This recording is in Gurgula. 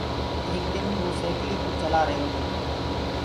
ايڪ دن وو سيڪلي ڪوُ چلآ رهيرو تو۔